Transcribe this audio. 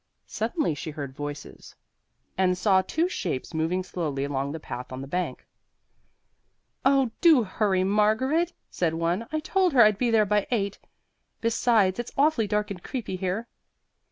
Suddenly she heard voices and saw two shapes moving slowly along the path on the bank. "Oh, do hurry, Margaret," said one. "I told her I'd be there by eight. Besides, it's awfully dark and creepy here."